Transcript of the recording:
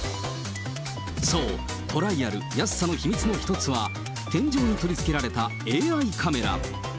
そう、トライアル安さの秘密の一つは、天井に取り付けられたＡＩカメラ。